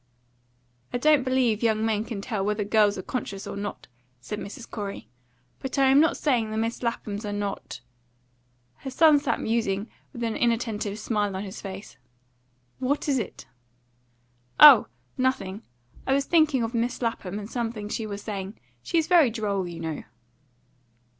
"I don't believe young men can tell whether girls are conscious or not," said Mrs. Corey. "But I am not saying the Miss Laphams are not " Her son sat musing, with an inattentive smile on his face. "What is it?" "Oh! nothing. I was thinking of Miss Lapham and something she was saying. She's very droll, you know."